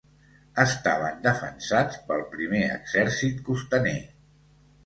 Estaven defensats pel Primer Exèrcit Costaner.